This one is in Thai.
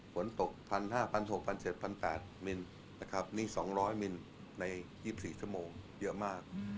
ฝนตก๑๕๐๐๑๖๐๐๑๗๐๐๑๘๐๐มิลลิเมตรนี่๒๐๐มิลลิเมตรใน๒๔ชั่วโมงเยอะมาก